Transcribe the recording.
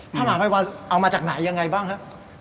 พระมหาภัยวันเอามาจากไหนยังไงบ้างครับ